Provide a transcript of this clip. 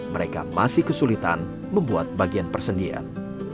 mereka masih kesulitan membuat bagian persendian